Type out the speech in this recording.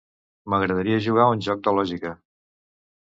M'agradaria jugar a un joc de lògica.